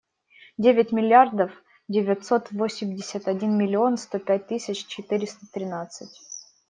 Девять миллиардов девятьсот восемьдесят один миллион сто пять тысяч четыреста тринадцать.